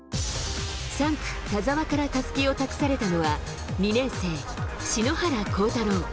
３区、田澤からたすきを託されたのは、２年生、篠原倖太朗。